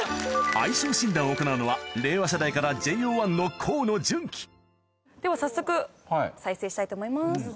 相性診断を行うのは令和世代からＪＯ１の河野純喜では早速再生したいと思います。